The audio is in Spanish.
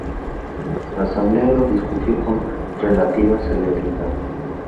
La Asamblea lo discutió con relativa celeridad.